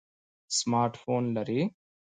سمارټ فون لرئ؟